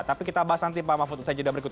tapi kita bahas nanti pak mafud saya jadi berikut